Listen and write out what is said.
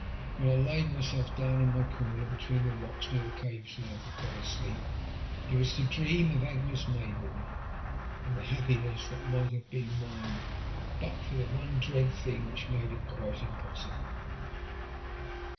When I laid myself down in my comer between the rocks near the cave's mouth, and fell asleep, it was to dream of Agnes Maybourne and the happiness that might have been mine but for the one dread thing which had made it quite impossible.